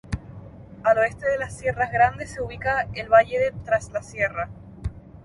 Al oeste de las Sierras Grandes se ubica el valle de Traslasierra.